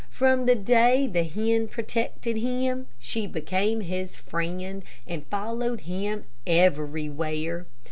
From the day the hen protected him, she became his friend, and followed him everywhere.